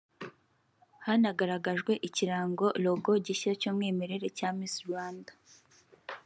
Hanagaragajwe ikirango(logo) gishya cy'umwimerere cya Miss Rwanda